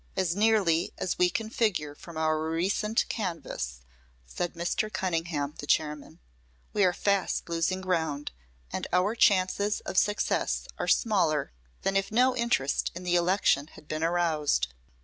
"As nearly as we can figure from our recent canvass," said Mr. Cunningham, the chairman, "we are fast losing ground, and our chances of success are smaller than if no interest in the election had been aroused.